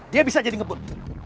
dia bisa jadi ngebut